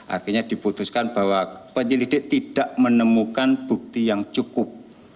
akhirnya diputuskan bahwa penyelidik tidak menemukan bukti yang cukup